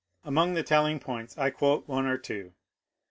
Among the telling points I quote one or two.